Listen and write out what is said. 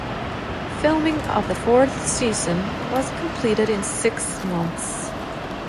Filming of the fourth season was completed in six months.